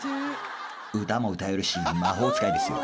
歌も歌えるし魔法使いですよ。